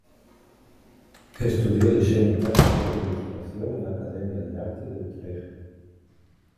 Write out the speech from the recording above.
Estudió Diseño Gráfico e Ilustración en la Academia de arte de Utrech.